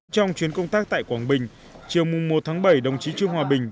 trong chuyến công tác tại quảng bình chiều một tháng bảy đồng chí trương hòa bình